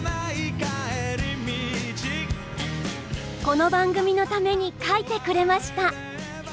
この番組のために書いてくれました。